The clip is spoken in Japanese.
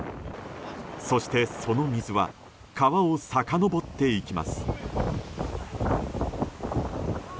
そして、その水は川をさかのぼっていきます。